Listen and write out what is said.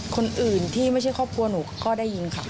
คนอื่นที่ไม่ใช่ครอบครัวหนูก็ได้ยินค่ะ